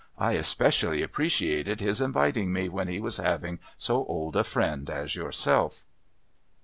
I especially appreciated his inviting me when he was having so old a friend as yourself."